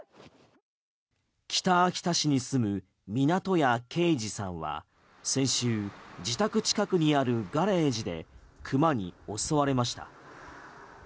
北秋田市に住む湊屋啓二さんは先週自宅近くにあるガレージでクマに襲われました。